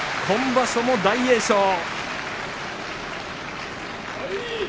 今場所も大栄翔。